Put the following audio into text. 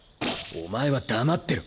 お前は黙ってろ。